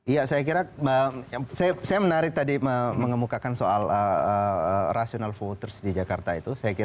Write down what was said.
iya saya kira saya menarik tadi mengemukakan soal rasional voters di jakarta itu